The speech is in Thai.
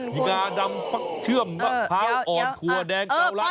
มีงาดำเชื่อมขาวอ่อนทัวร์แดงเก้าลักษณ์